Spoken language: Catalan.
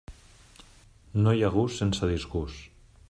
No hi ha gust sense disgust.